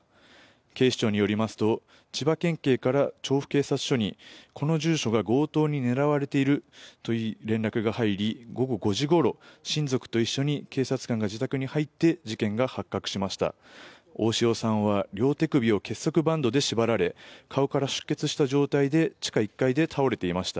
警視庁によりますと千葉県警から調布警察署にこの住所が強盗に狙われているという連絡が入り、午後５時ごろ親族と一緒に警察官が自宅に入って事件が発覚しました。